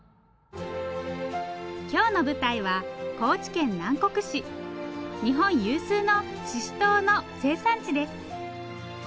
今日の舞台は日本有数のししとうの生産地です。